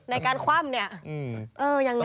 ในการคว่ำเนี่ยเออยังไง